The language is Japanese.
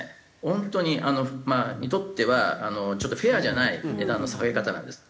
本当ににとってはちょっとフェアじゃない値段の下げ方なんです。